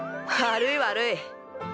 悪い悪い！